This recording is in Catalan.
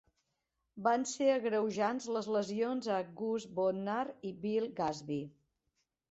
Van ser agreujants les lesions a Gus Bodnar i Bill Gadsby.